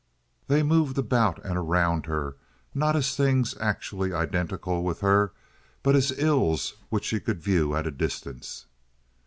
They moved about and around her, not as things actually identical with her, but as ills which she could view at a distance.